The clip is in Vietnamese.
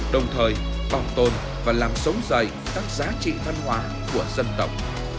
đồng thời bảo tồn và làm sống dày các giá trị văn hóa của dân tộc